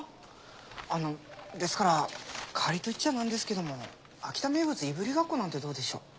あのですから代わりといっちゃなんですけども秋田名物いぶりがっこなんてどうでしょう？